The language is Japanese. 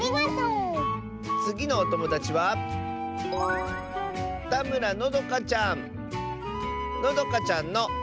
つぎのおともだちはのどかちゃんの。